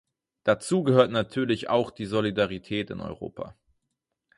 Dazu gehört natürlich auch die Solidarität in Europa.